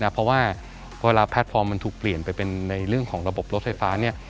เพราะว่าเวลาแพลตฟอร์มมันถูกเปลี่ยนไปเป็นในเรื่องของระบบรถไฟฟ้า